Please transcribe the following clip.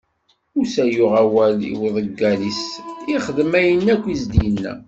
Musa yuɣ awal i uḍeggal-is, ixdem ayen akk i s-d-inna.